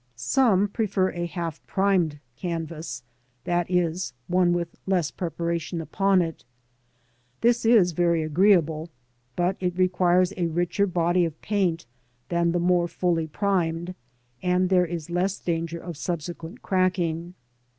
Some prefer a half primed canvas, that is, one with less preparation upon it. This is very agreeable, but it requires a richer body of paint than the more fully primed, and there is less danger of subsequent cracking.